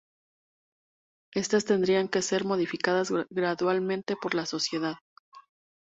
Estas tendrían que ser modificadas gradualmente por la sociedad.